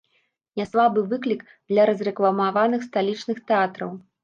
Няслабы выклік для разрэкламаваных сталічных тэатраў.